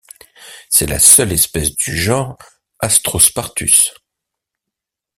C'est la seule espèce du genre Astrospartus.